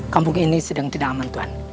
kampung ini sedang tidak aman tuhan